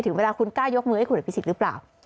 เวลาคุณกล้ายกมือให้คุณอภิษฎหรือเปล่า